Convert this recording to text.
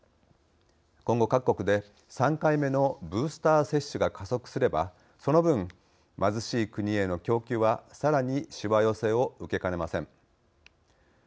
今後、各国で３回目のブースター接種が加速すればその分、貧しい国への供給はさらにしわ寄せを受けかねません。